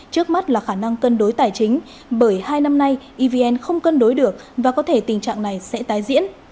trước mắt là khả năng cân đối tài chính bởi hai năm nay evn không cân đối được và có thể tình trạng này sẽ tái diễn